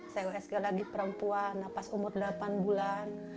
saya osg lagi perempuan pas umur delapan bulan